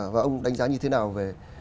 và ông đánh giá như thế nào về